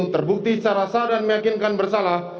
terbukti secara sah dan meyakinkan bersalah